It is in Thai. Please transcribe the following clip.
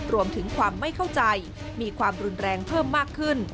รวมถึงความไม่เข้าใจมีความรุนแรงเพิ่มมากขึ้น